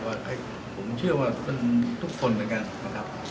ก็บอกแล้วนะครับว่าผมเชื่อว่าทุกคนนะครับ